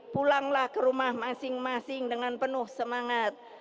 pulanglah ke rumah masing masing dengan penuh semangat